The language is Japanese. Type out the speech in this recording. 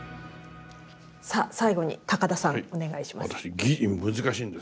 さあ最後に高田さんお願いします。